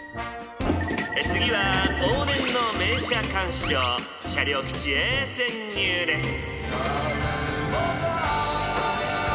次は往年の名車鑑賞車両基地へ潜入です。